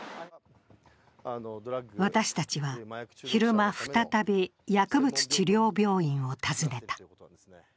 私たちは昼間、再び薬物治療病院を訪ねた。